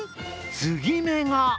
継ぎ目が。